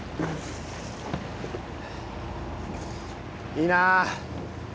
いいなあ！